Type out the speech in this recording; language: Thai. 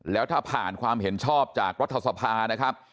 แล้วถ้าผ่านความเห็นชอบจากรัฐสภานะครับ